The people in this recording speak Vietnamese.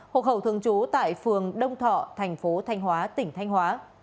hộ khẩu thường trú tại phường đông thọ thành phố thanh hóa